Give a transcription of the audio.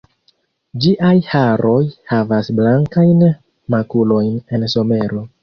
Ĝiaj haroj havas blankajn makulojn en somero.